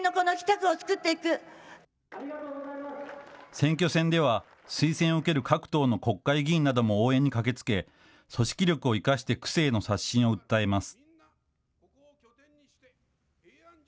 選挙戦では、推薦を受ける各党の国会議員なども応援に駆けつけ、組織力を生かして、区政の刷新を訴えます。